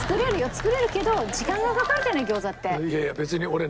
作れるけど時間がかかるじゃない餃子って。